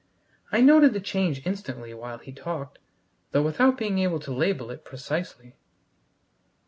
I noted the change instantly while he talked, though without being able to label it precisely.